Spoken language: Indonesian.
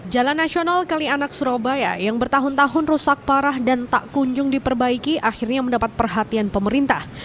jalan nasional kalianak surabaya yang bertahun tahun rusak parah dan tak kunjung diperbaiki akhirnya mendapat perhatian pemerintah